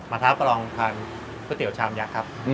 มาท้าประลองคาลคติวชามยักษ์ครับ